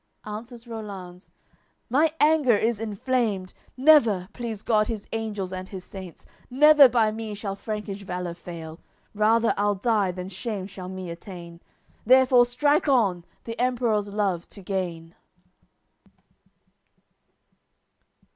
Answers Rollanz: "My anger is inflamed. Never, please God His Angels and His Saints, Never by me shall Frankish valour fail! Rather I'll die than shame shall me attain. Therefore strike on, the Emperour's love to gain."